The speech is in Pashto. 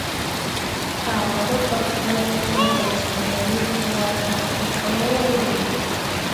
هغه به په خپل خوږ او سندریزه آواز ماته څه ووایي.